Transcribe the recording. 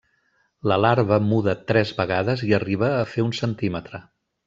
La larva muda tres vegades i arriba a fer un centímetre.